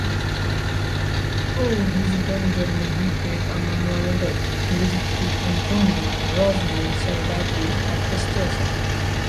On his return journey he paid a memorable visit to Antonio Rosmini-Serbati, at Stresa.